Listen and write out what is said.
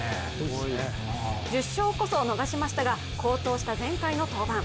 １０勝こそ逃しましたが、好投した前回の登板。